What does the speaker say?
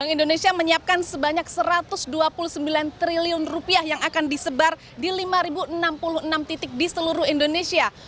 bank indonesia menyiapkan sebanyak satu ratus dua puluh sembilan triliun yang akan disebar di lima enam puluh enam titik di seluruh indonesia